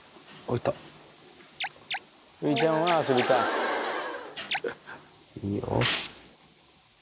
いいよ。